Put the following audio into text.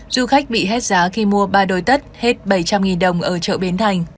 du khách bị hết giá khi mua ba đôi tất hết bảy trăm linh đồng ở chợ bến thành